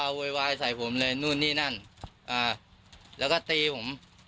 โวยวายใส่ผมเลยนู่นนี่นั่นอ่าแล้วก็ตีผม